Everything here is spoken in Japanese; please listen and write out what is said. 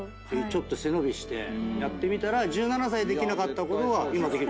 背伸びしてやってみたら１７歳できなかったことが今できる。